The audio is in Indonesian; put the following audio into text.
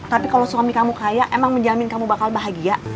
tapi kalau suami kamu kaya emang menjamin kamu bakal bahagia